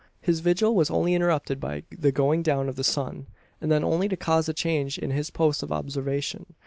His vigil was only interrupted by the going down of the sun; and then only to cause a change in his post of observation.